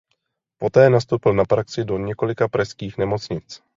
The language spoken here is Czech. Poté nastoupil na praxi do několika pražských nemocnic.